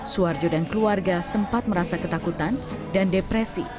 suharjo dan keluarga sempat merasa ketakutan dan depresi